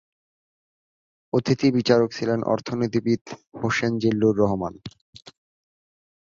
অতিথি বিচারক ছিলেন অর্থনীতিবিদ হোসেন জিল্লুর রহমান।